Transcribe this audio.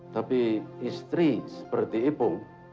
tapi istri seperti ipung